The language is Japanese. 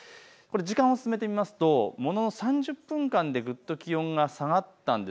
時間を進めてみるとものの３０分間でぐっと気温が下がったんです。